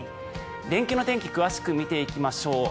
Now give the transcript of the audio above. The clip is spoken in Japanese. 連休の天気詳しく見ていきましょう。